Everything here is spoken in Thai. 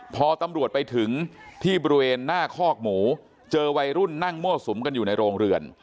พอตำรวจไปถึงที่บริเวณหน้าคอกหมูเจอวัยรุ่นนั่งมั่วสุมกันอยู่ในโรงเรือน